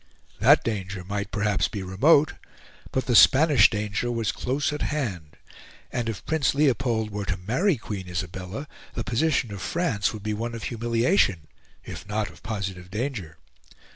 That danger might, perhaps, be remote; but the Spanish danger was close at hand; and if Prince Leopold were to marry Queen Isabella the position of France would be one of humiliation, if not of positive danger.